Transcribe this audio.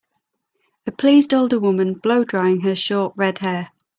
a pleased older woman blow drying her short, redhair.